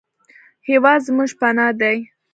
هېواد زموږ پناه دی